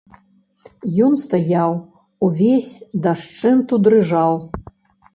Ён стаяў, увесь дашчэнту дрыжаў.